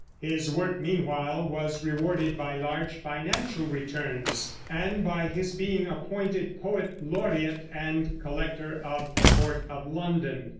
His work, meanwhile, was rewarded by large financial returns, and by his being appointed poet laureate and collector of the port of London.